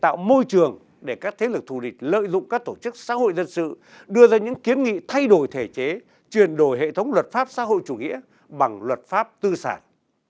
tạo môi trường để các thế lực thù địch lợi dụng các tổ chức xã hội dân sự đưa ra những kiến nghị thay đổi thể chế truyền đổi hệ thống luật pháp xã hội chủ nghĩa bằng luật pháp tư sản